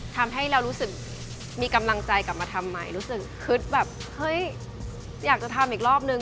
ทำให้เรารู้สึกมีกำลังใจกลับมาทำไมรู้สึกคิดแบบเฮ้ยอยากจะทำอีกรอบนึง